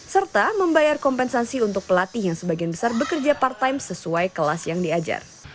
serta membayar kompensasi untuk pelatih yang sebagian besar bekerja part time sesuai kelas yang diajar